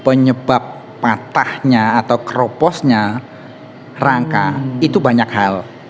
penyebab patahnya atau keroposnya rangka itu banyak hal